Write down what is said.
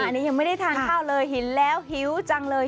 อันนี้ยังไม่ได้ทานข้าวเลยเห็นแล้วหิวจังเลย